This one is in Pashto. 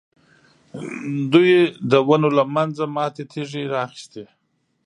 دوی د ونو له منځه ماتې تېږې را اخیستې.